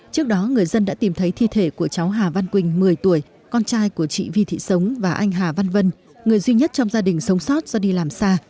trước đó người dân đã tìm thấy thi thể của cháu hà văn quỳnh một mươi tuổi con trai của chị vi thị sống và anh hà văn vân người duy nhất trong gia đình sống sót do đi làm xa